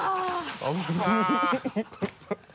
危ない